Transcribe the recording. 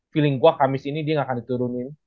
feeling gue kamis ini dia nggak akan diturunin